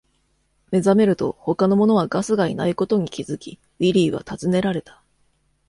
目覚めると、他の者はガスがいないことに気付き、ウィリーは尋ねられた。